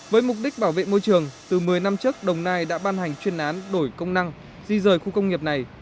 với mục đích bảo vệ môi trường từ một mươi năm trước đồng nai đã ban hành chuyên án đổi công năng di rời khu công nghiệp này